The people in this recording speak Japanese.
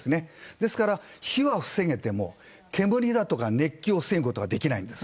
ですから、火は防げても煙とか熱気を防ぐことができないんです。